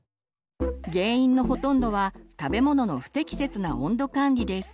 原因のほとんどは食べ物の不適切な温度管理です。